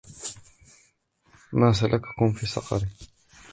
مَا سَلَكَكُمْ فِي سَقَرَ